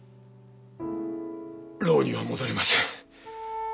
牢には戻りません。